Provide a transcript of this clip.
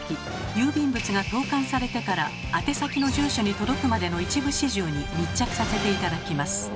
郵便物が投かんされてから宛先の住所に届くまでの一部始終に密着させて頂きます。